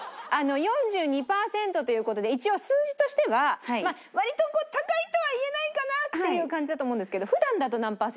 ４２パーセントという事で一応数字としては割と高いとは言えないかなっていう感じだと思うんですけど。